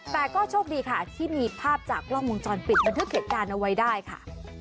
แต่ก็โชคดีค่ะที่มีภาพจากกล้องวงจรปิดบันทึกเหตุการณ์เอาไว้ได้ค่ะ